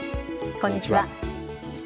こんにちは。